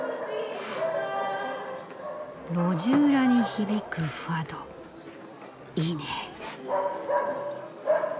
・路地裏に響くファド・いいね。